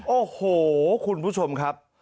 โอ้โหคุณผู้ชมครับ